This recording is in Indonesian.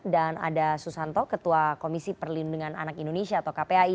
dan ada susanto ketua komisi perlindungan anak indonesia atau kpai